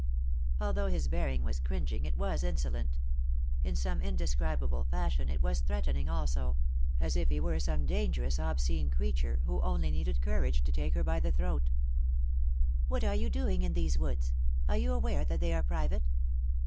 Although his bearing was cringing it was insolent ; in some indescribable fashion it was threatening also; as if he were some dangerous, obscene creature, who only needed courage to take her by the throat " What are you doing in these woods ? Are you aware that they are private